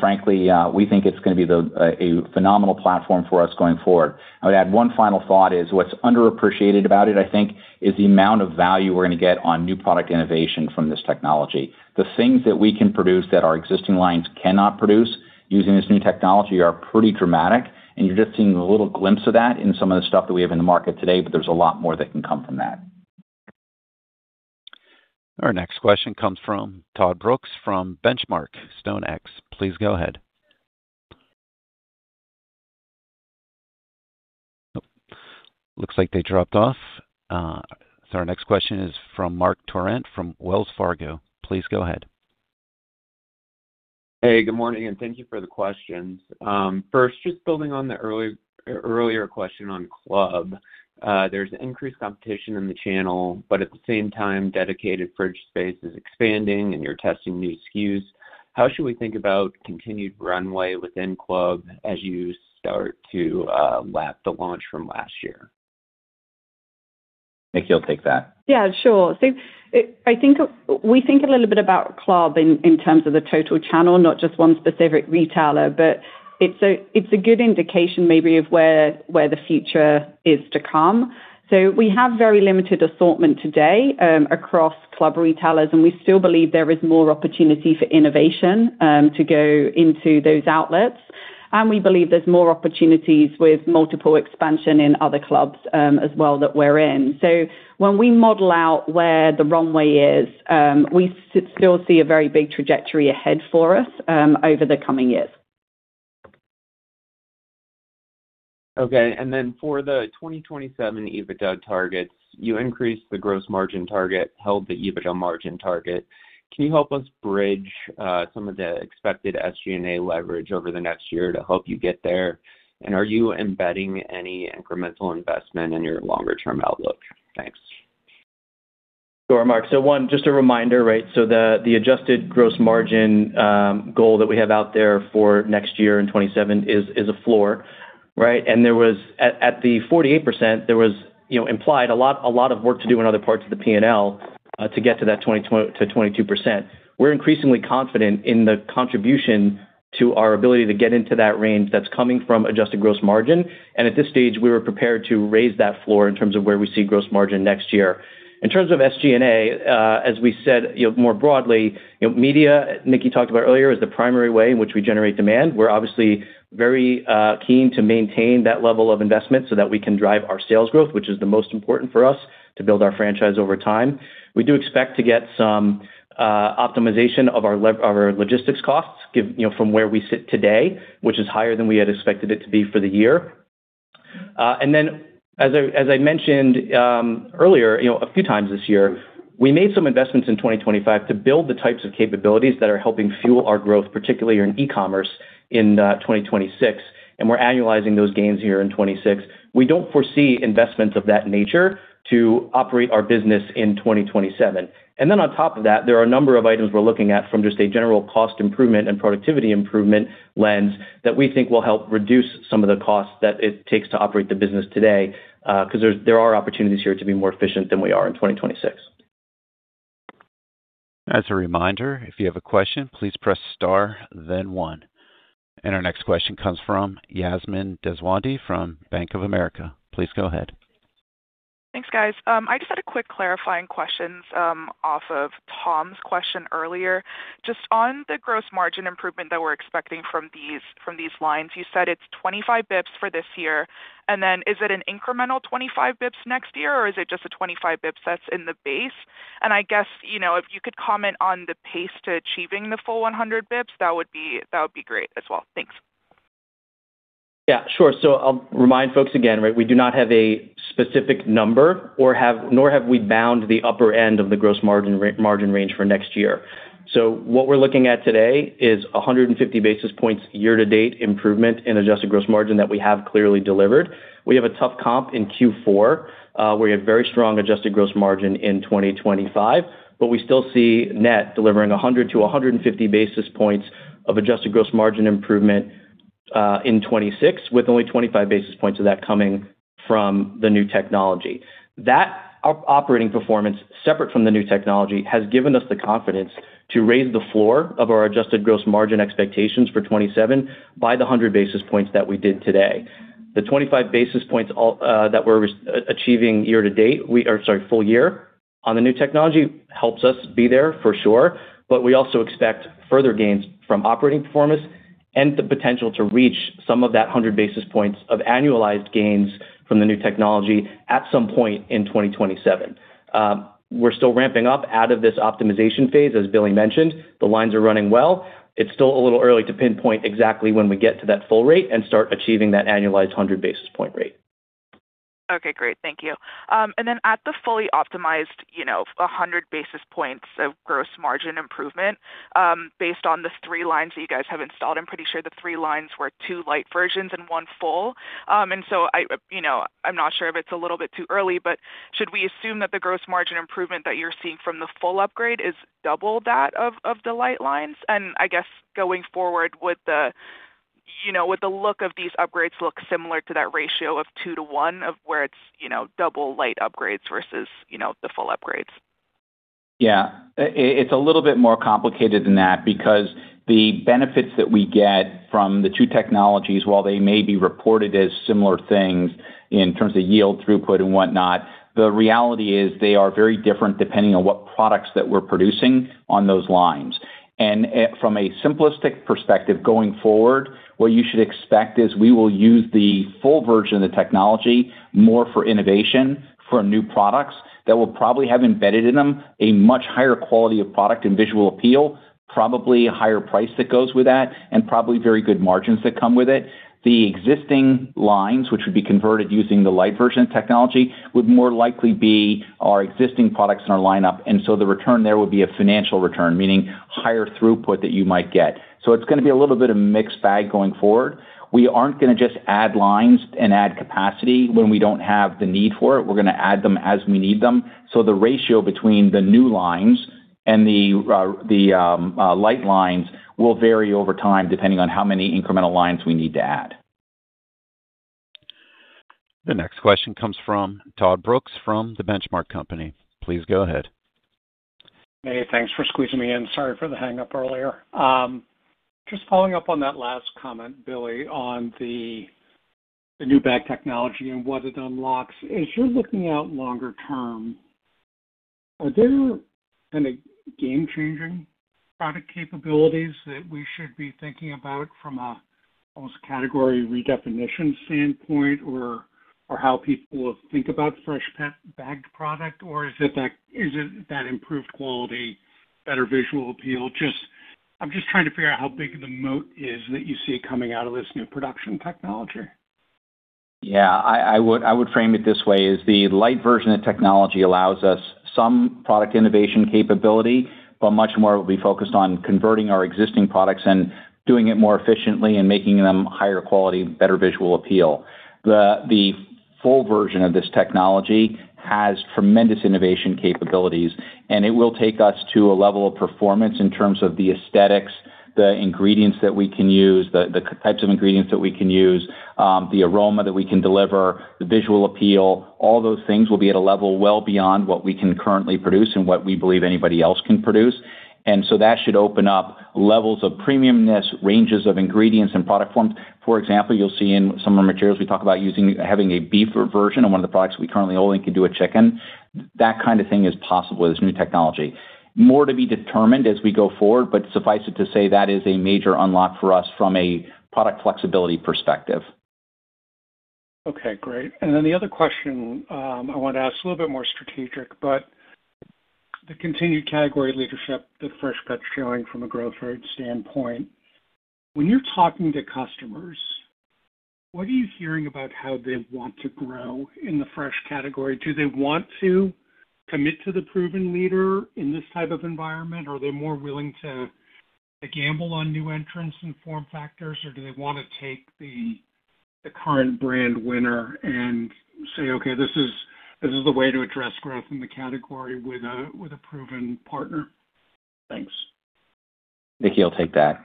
Frankly, we think it's going to be a phenomenal platform for us going forward. I would add one final thought is what's underappreciated about it, I think, is the amount of value we're going to get on new product innovation from this technology. The things that we can produce that our existing lines cannot produce using this new technology are pretty dramatic and you're just seeing a little glimpse of that in some of the stuff that we have in the market today, but there's a lot more that can come from that. Our next question comes from Todd Brooks from The Benchmark Company. Please go ahead. Looks like they dropped off. Our next question is from Marc Torrente from Wells Fargo. Please go ahead. Hey, good morning, and thank you for the questions. First, just building on the earlier question on Club. There's increased competition in the channel, but at the same time, dedicated fridge space is expanding and you're testing new SKUs. How should we think about continued runway within Club as you start to lap the launch from last year? Nicki, you'll take that. Yeah, sure. We think a little bit about Club in terms of the total channel, not just one specific retailer, but it's a good indication maybe of where the future is to come. We have very limited assortment today across Club retailers, and we still believe there is more opportunity for innovation to go into those outlets. We believe there's more opportunities with multiple expansion in other Clubs as well that we're in. When we model out where the runway is, we still see a very big trajectory ahead for us over the coming years. Okay. For the 2027 EBITDA targets, you increased the gross margin target, held the EBITDA margin target. Can you help us bridge some of the expected SG&A leverage over the next year to help you get there? Are you embedding any incremental investment in your longer term outlook? Thanks. Sure, Marc. One, just a reminder, right? The adjusted gross margin goal that we have out there for next year in 2027 is a floor, right? At the 48%, there was implied a lot of work to do in other parts of the P&L to get to that 22%. We're increasingly confident in the contribution to our ability to get into that range that's coming from adjusted gross margin. At this stage, we were prepared to raise that floor in terms of where we see gross margin next year. In terms of SG&A, as we said more broadly, media, Nicki talked about earlier, is the primary way in which we generate demand. We're obviously very keen to maintain that level of investment so that we can drive our sales growth, which is the most important for us to build our franchise over time. We do expect to get some optimization of our logistics costs from where we sit today, which is higher than we had expected it to be for the year. As I mentioned earlier, a few times this year, we made some investments in 2025 to build the types of capabilities that are helping fuel our growth, particularly in e-commerce in 2026, and we're annualizing those gains here in 2026. We don't foresee investments of that nature to operate our business in 2027. On top of that, there are a number of items we're looking at from just a general cost improvement and productivity improvement lens that we think will help reduce some of the costs that it takes to operate the business today, because there are opportunities here to be more efficient than we are in 2026. As a reminder, if you have a question, please press star then one. Our next question comes from Yasmine Deswandhy from Bank of America. Please go ahead. Thanks, guys. I just had a quick clarifying questions off of Tom's question earlier. Just on the gross margin improvement that we're expecting from these lines, you said it's 25 basis points for this year, is it an incremental 25 basis points next year, or is it just a 25 basis points that's in the base? I guess, if you could comment on the pace to achieving the full 100 basis points, that would be great as well. Thanks. I'll remind folks again, we do not have a specific number, nor have we bound the upper end of the gross margin range for next year. What we're looking at today is 150 basis points year to date improvement in adjusted gross margin that we have clearly delivered. We have a tough comp in Q4, where we had very strong adjusted gross margin in 2025, but we still see net delivering 100 to 150 basis points of adjusted gross margin improvement in 2026, with only 25 basis points of that coming from the new technology. That operating performance, separate from the new technology, has given us the confidence to raise the floor of our adjusted gross margin expectations for 2027 by the 100 basis points that we did today. The 25 basis points that we're achieving full year on the new technology helps us be there for sure, but we also expect further gains from operating performance and the potential to reach some of that 100 basis points of annualized gains from the new technology at some point in 2027. We're still ramping up out of this optimization phase, as Billy mentioned. The lines are running well. It's still a little early to pinpoint exactly when we get to that full rate and start achieving that annualized 100 basis point rate. Okay, great. Thank you. At the fully optimized, 100 basis points of gross margin improvement, based on the three lines that you guys have installed, I'm pretty sure the three lines were two light versions and one full. I'm not sure if it's a little bit too early, but should we assume that the gross margin improvement that you're seeing from the full upgrade is double that of the light lines? I guess going forward, would the look of these upgrades look similar to that ratio of two to one of where it's double light upgrades versus the full upgrades? Yeah. It's a little bit more complicated than that because the benefits that we get from the two technologies, while they may be reported as similar things in terms of yield throughput and whatnot, the reality is they are very different depending on what products that we're producing on those lines. From a simplistic perspective going forward, what you should expect is we will use the full version of the technology more for innovation for new products that will probably have embedded in them a much higher quality of product and visual appeal, probably a higher price that goes with that, and probably very good margins that come with it. The existing lines, which would be converted using the light version technology, would more likely be our existing products in our lineup, and so the return there would be a financial return, meaning higher throughput that you might get. It's gonna be a little bit of a mixed bag going forward. We aren't gonna just add lines and add capacity when we don't have the need for it. We're gonna add them as we need them. The ratio between the new lines and the light lines will vary over time, depending on how many incremental lines we need to add. The next question comes from Todd Brooks from The Benchmark Company. Please go ahead. Hey, thanks for squeezing me in. Sorry for the hang-up earlier. Just following up on that last comment, Billy, on the new bag technology and what it unlocks. As you're looking out longer term, are there any game-changing product capabilities that we should be thinking about from a almost category redefinition standpoint, or how people think about Freshpet bagged product, or is it that improved quality, better visual appeal? I'm just trying to figure out how big the moat is that you see coming out of this new production technology. Yeah, I would frame it this way, is the light version of technology allows us some product innovation capability, but much more we'll be focused on converting our existing products and doing it more efficiently and making them higher quality, better visual appeal. The full version of this technology has tremendous innovation capabilities, and it will take us to a level of performance in terms of the aesthetics, the ingredients that we can use, the types of ingredients that we can use, the aroma that we can deliver, the visual appeal. All those things will be at a level well beyond what we can currently produce and what we believe anybody else can produce. That should open up levels of premiumness, ranges of ingredients and product forms. For example, you'll see in some of our materials, we talk about having a beef version of one of the products we currently only can do a chicken. That kind of thing is possible with this new technology. More to be determined as we go forward, suffice it to say, that is a major unlock for us from a product flexibility perspective. Okay, great. The other question I wanted to ask, a little bit more strategic, but the continued category leadership that Freshpet's showing from a growth rate standpoint. When you're talking to customers, what are you hearing about how they want to grow in the fresh category? Do they want to commit to the proven leader in this type of environment, are they more willing to gamble on new entrants and form factors? Do they want to take the current brand winner and say, "Okay, this is the way to address growth in the category with a proven partner?" Thanks. Nicki will take that.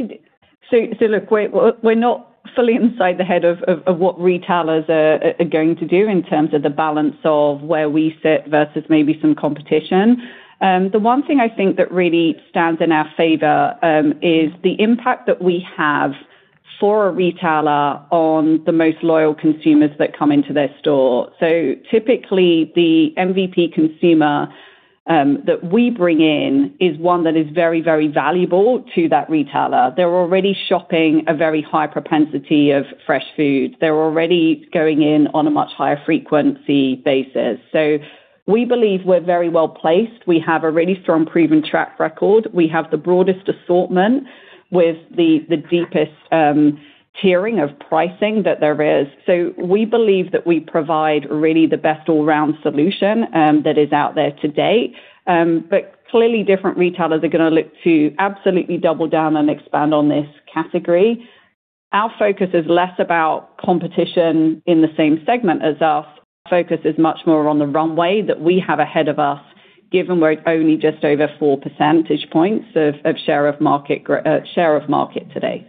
Look, we're not fully inside the head of what retailers are going to do in terms of the balance of where we sit versus maybe some competition. The one thing I think that really stands in our favor, is the impact that we have for a retailer on the most loyal consumers that come into their store. Typically, the MVP consumer that we bring in is one that is very, very valuable to that retailer. They're already shopping a very high propensity of fresh foods. They're already going in on a much higher frequency basis. We believe we're very well-placed. We have a really strong proven track record. We have the broadest assortment with the deepest tiering of pricing that there is. We believe that we provide really the best all-round solution that is out there to date. Clearly, different retailers are going to look to absolutely double down and expand on this category. Our focus is less about competition in the same segment as us. Our focus is much more on the runway that we have ahead of us, given we're only just over four percentage points of share of market today.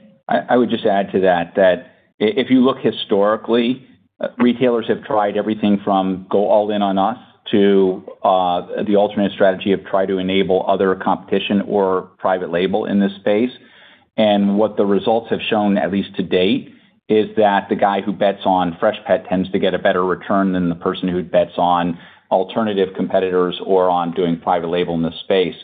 I would just add to that if you look historically, retailers have tried everything from go all in on us to the alternate strategy of try to enable other competition or private label in this space. What the results have shown, at least to date, is that the guy who bets on Freshpet tends to get a better return than the person who bets on alternative competitors or on doing private label in this space.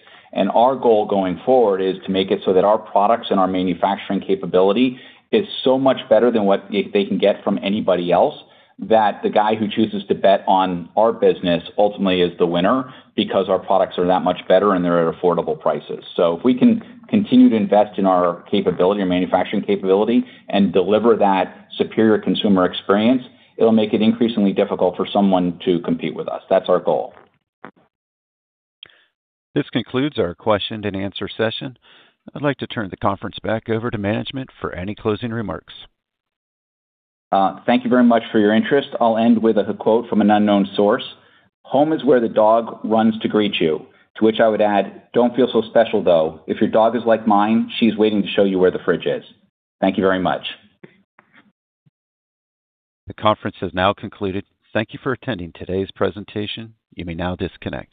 Our goal going forward is to make it so that our products and our manufacturing capability is so much better than what they can get from anybody else, that the guy who chooses to bet on our business ultimately is the winner because our products are that much better and they're at affordable prices. If we can continue to invest in our capability, our manufacturing capability, and deliver that superior consumer experience, it'll make it increasingly difficult for someone to compete with us. That's our goal. This concludes our question and answer session. I'd like to turn the conference back over to management for any closing remarks. Thank you very much for your interest. I'll end with a quote from an unknown source, "Home is where the dog runs to greet you." To which I would add, don't feel so special, though. If your dog is like mine, she's waiting to show you where the fridge is. Thank you very much. The conference has now concluded. Thank you for attending today's presentation. You may now disconnect.